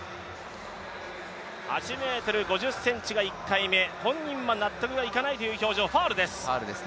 ８ｍ５０ｃｍが１回目、本人は納得がいかないという表情、ファウルです。